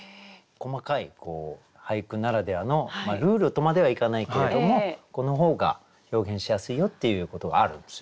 細かい俳句ならではのルールとまではいかないけれどもこの方が表現しやすいよっていうことがあるんですよ。